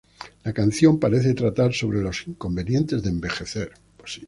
La canción parece tratar sobre los inconvenientes de envejecer.